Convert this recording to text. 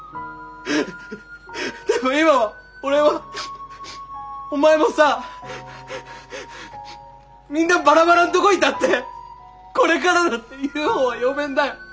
でも今は俺はお前もさみんなバラバラんとごいたってこれからだってＵＦＯは呼べんだよ。